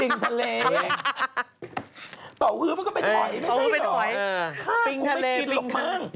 อยู่แถวฝั่งแครริฟอร์เนียอยากจะเห็นตัวจริงก็ไปดูกันที่นั่น